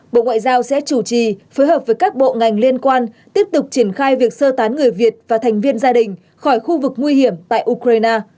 bộ ngoại giao sẽ chủ trì phối hợp với các bộ ngành liên quan tiếp tục triển khai việc sơ tán người việt và thành viên gia đình khỏi khu vực nguy hiểm tại ukraine